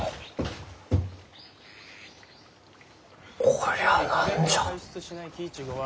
こりゃあ何じゃあ？